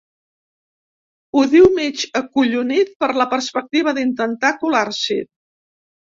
Ho diu mig acollonit per la perspectiva d'intentar colar-s'hi.